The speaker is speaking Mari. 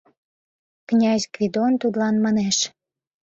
Князь Гвидон тудлан манеш: